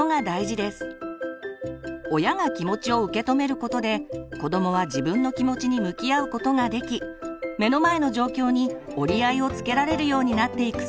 親が気持ちを受け止めることで子どもは自分の気持ちに向き合うことができ目の前の状況に折り合いをつけられるようになっていくそうです。